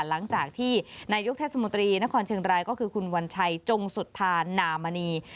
หลังจากที่นายกเทศมนตรีนครเชียงรายก็คือคุณวัญชัยจงสุธานามณี